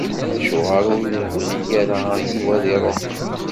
Acuɣeṛ ur yebɣi ara Yuba ad iṛuḥ?